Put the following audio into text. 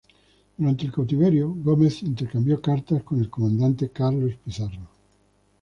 Durante el cautiverio, Gómez intercambió cartas con el comandante Carlos Pizarro.